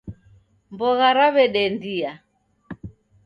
Mbogha raw'edendia